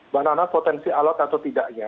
mbak nana potensi alat atau tidaknya